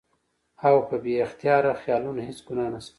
او پۀ بې اختياره خيالونو هېڅ ګناه نشته